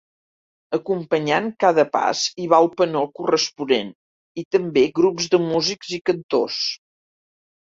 Acompanyant cada pas hi va el penó corresponent i també grups de músics i cantors.